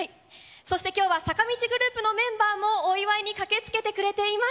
そして今日は坂道グループのメンバーもお祝いに駆けつけてくれています。